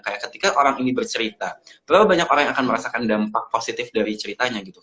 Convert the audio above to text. kayak ketika orang ini bercerita berapa banyak orang yang akan merasakan dampak positif dari ceritanya gitu